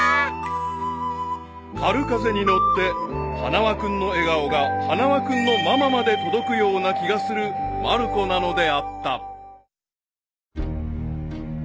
［春風に乗って花輪君の笑顔が花輪君のママまで届くような気がするまる子なのであった］